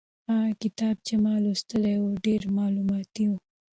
هغه کتاب چې ما لوستلی و ډېر مالوماتي و.